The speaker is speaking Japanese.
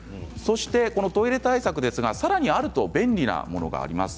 このトイレ対策ですが、さらにあると便利なものがあります。